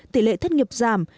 tỉ lệ thất nghiệp giảm